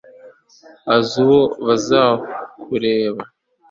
azi uwo bazakureba